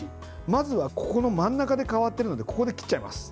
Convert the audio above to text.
まずは真ん中で変わってるのでここで切っちゃいます。